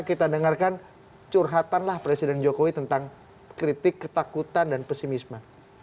kita dengarkan curhatan lah presiden jokowi tentang kritik ketakutan dan pesimisme